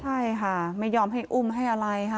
ใช่ค่ะไม่ยอมให้อุ้มให้อะไรค่ะ